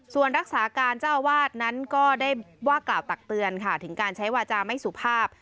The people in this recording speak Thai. ส่วนรักษาการเจ้าอาวาสนั้นก็ได้ว่ากล่าวตักเตือนค่ะถึงการใช้วาจาไม่สุภาพ